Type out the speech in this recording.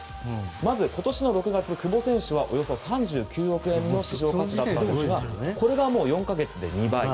まず、今年６月久保選手はおよそ３９億円の市場価値があったんですがそれが４か月で２倍。